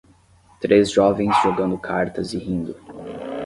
Três jovens jogando cartas e rindo.